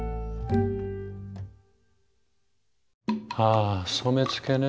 あ染付ね。